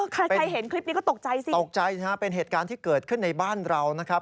ใครเห็นคลิปนี้ก็ตกใจสิตกใจนะฮะเป็นเหตุการณ์ที่เกิดขึ้นในบ้านเรานะครับ